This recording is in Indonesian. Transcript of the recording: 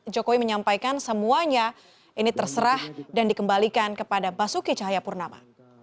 jokowi menyampaikan semuanya ini terserah dan dikembalikan kepada basuki cahayapurnama